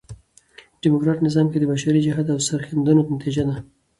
ډيموکراټ نظام کښي د بشري جهد او سرښندنو نتیجه ده.